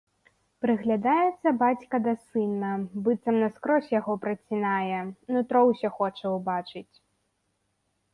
Прыглядаецца бацька да сына, быццам наскрозь яго працінае, нутро ўсё хоча ўбачыць.